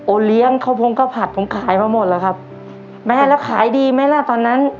เลี้ยงข้าวโพงข้าวผัดผมขายมาหมดแล้วครับแม่แล้วขายดีไหมล่ะตอนนั้น